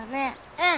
うん。